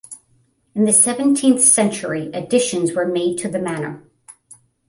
In the seventeenth century additions were made to the manor.